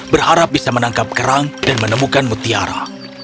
berharap bisa menangkap kerang dan menemukan mutiara